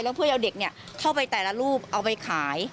แล้วเพื่อเอาเด็กเข้าไปแต่ละรูปเอาไปขาย